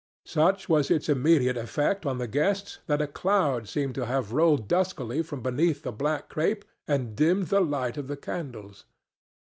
Such was its immediate effect on the guests that a cloud seemed to have rolled duskily from beneath the black crape and dimmed the light of the candles.